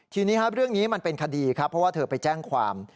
ทีนี้เรื่องนี้มันเป็นคดีครับเพราะว่าเธอไปแจ้งความ